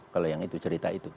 kalau yang itu cerita itu